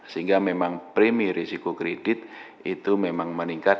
sehingga memang premi risiko kredit itu memang meningkat